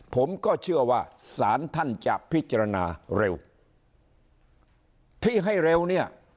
ผมก็เชื่อว่าศาลท่านจะพิจารณาเร็วที่ให้เร็วเนี่ย